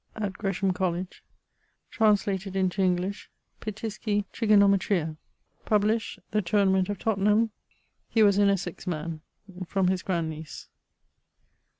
at Gresham College, translated into English Pitisci Trigonometria. Published The turnament of Totnam. He was an Essex man from his grand niece.